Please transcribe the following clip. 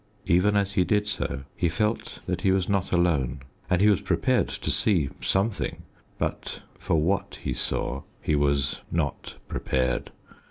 Even as he did so he felt that he was not alone. And he was prepared to see something; but for what he saw he was not prepared.